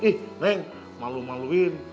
ih neng malu maluin